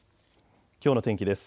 きょうの天気です。